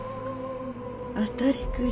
当たりくじ。